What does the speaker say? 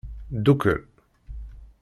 Ddukel.